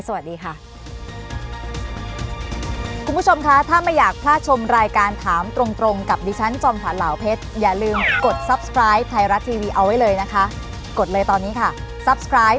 วันนี้สวัสดีค่ะ